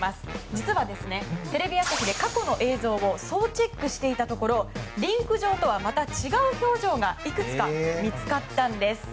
実は、テレビ朝日で過去の映像を総チェックしていたところリンク場とはまた違う表情がいくつか見つかったんです。